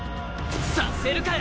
させるかよ！